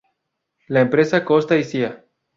La empresa Costa y Cía.